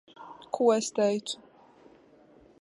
Ko es teicu?